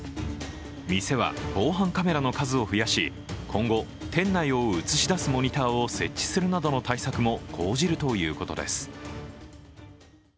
店は、防犯カメラの数を増やし、今後店内を映し出すモニターを設置するなどの対策も講じるということです。